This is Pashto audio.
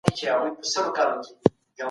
شکر ايستل نعمتونه زياتوي.